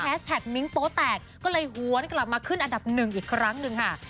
มิ้งโป๊แตกก็เลยหวนกลับมาขึ้นอันดับหนึ่งอีกครั้งหนึ่งค่ะ